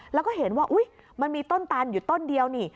แล้วก็เห็นว่าอุ๊ยมันมีต้นตันอยู่ต้นเดียวนี่